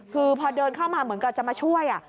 คือพอเดินเข้ามาเหมือนกับจะมาช่วย